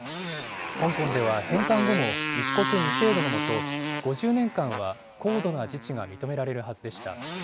香港では、返還後も一国二制度のもと、５０年間は高度な自治が認められるはずでした。